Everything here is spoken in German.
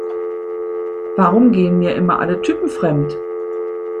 Warum gehen mir immer alle Typen fremd?